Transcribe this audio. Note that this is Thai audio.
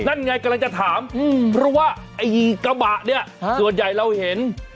นั่นไงกำลังจะถามเพราะว่าไอ้กระบะเนี่ยส่วนใหญ่เราเห็น